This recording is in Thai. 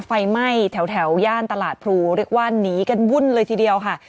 ไฟไหม้แถวย่านตลาดพลูเรียกว่าหนีกันวุ่นเลยทีเดียวค่ะ